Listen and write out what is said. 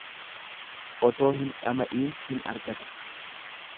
Otoo hin dhama'iin hin argattu.